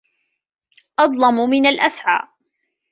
أظلم من أفعى